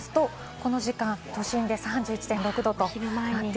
この時間、都心で３１．６度。